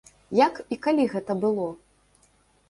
Як і калі гэта было?